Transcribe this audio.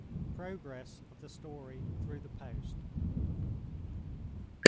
PROGRESS OF THE STORY THROUGH THE POST.